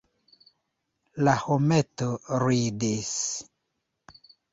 La hometo ridis!